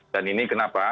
dan ini kenapa